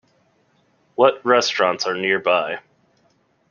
What restaurants are nearby?